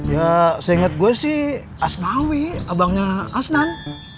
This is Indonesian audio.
ya seingat gue sih asnawi abangnya asnan